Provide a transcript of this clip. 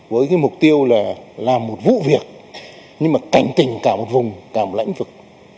với cái mục tiêu là làm một vụ việc nhưng mà cảnh tình cả một vùng cả một lĩnh vực